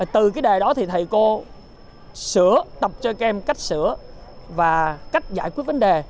từ cái đề đó thì thầy cô sửa tập cho các em cách sửa và cách giải quyết vấn đề